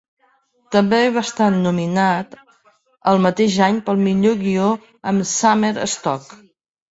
També va estar nominat el mateix any pel millor guió amb Summer Stock.